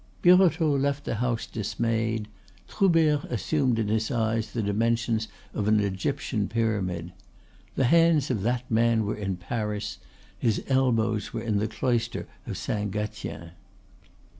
Birotteau left the house dismayed. Troubert assumed in his eyes the dimensions of an Egyptian pyramid. The hands of that man were in Paris, his elbows in the Cloister of Saint Gatien.